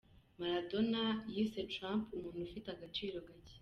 Maradona yise Trump umuntu ufite agaciro gake.